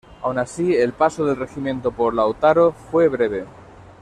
Aun así, el paso del regimiento por Lautaro fue breve.